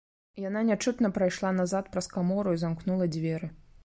Яна нячутна прайшла назад праз камору і замкнула дзверы.